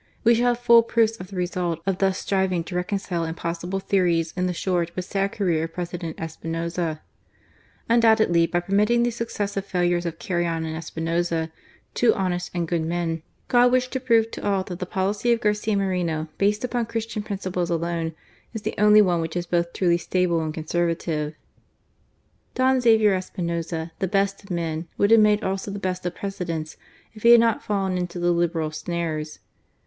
We shall have full proofs of the result of thus striving to reconcile impossible theories in the short but sad career of President Espinoza, Undoubtedly by permitting the successive failures of Carrion and Espinoza, two honest and good men, God wished to prove to all that the policy of Garcia Moreno, based upon Christian principles alone, is the only one which is both truly stable and Con servative. Don Xavier Espinoza, the best of men, would have made also the best of Presidents if he had not fallen into the Liberal snares.